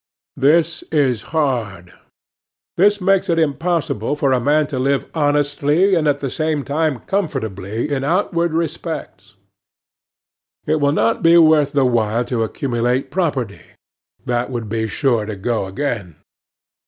This is hard. This makes it impossible for a man to live honestly and at the same time comfortably in outward respects. It will not be worth the while to accumulate property; that would be sure to go again.